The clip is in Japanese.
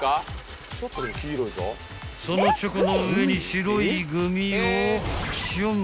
［そのチョコの上に白いグミをちょん］